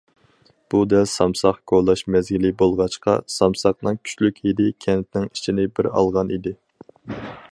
بۇ دەل سامساق كولاش مەزگىلى بولغاچقا، سامساقنىڭ كۈچلۈك ھىدى كەنتنىڭ ئىچىنى بىر ئالغان ئىدى.